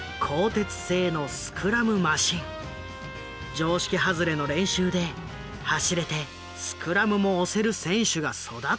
常識外れの練習で走れてスクラムも押せる選手が育っていく。